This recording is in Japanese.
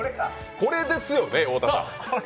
これですよね、太田さん。